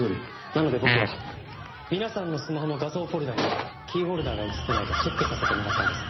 なので僕は皆さんのスマホの画像フォルダにキーホルダーが写ってないかチェックさせてもらったんです。